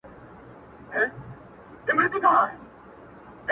اصيل ته اشارت، کم اصل ته لغت.